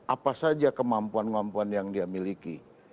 apa saja kemampuan kemampuan yang dia miliki